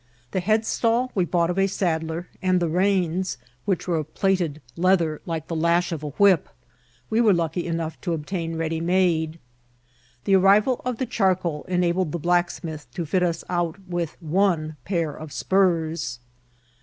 The headstall we bought of a saddler, and the reins, which were of platted leather like the lash of a whip, we were lucky enough to obtain ready made. The arrival of the charcoal enabled the blacksmith to fit us out with one pair of spurs.